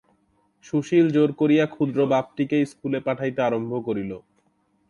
সুশীল জোর করিয়া ক্ষুদ্র বাপটিকে স্কুলে পাঠাইতে আরম্ভ করিল।